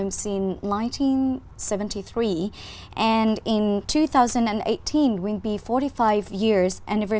giữa việt nam và canada